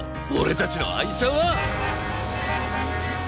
俺たちの愛車は！